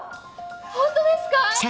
ホントですか？